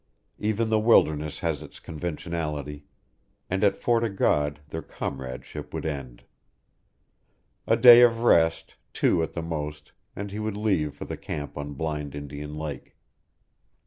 Even the wilderness has its conventionality, and at Fort o' God their comradeship would end. A day of rest, two at the most, and he would leave for the camp on Blind Indian Lake.